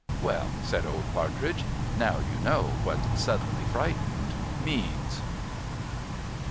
"Well," said Old Partridge, "now you know what 'suddenly frightened' means."